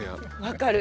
分かる。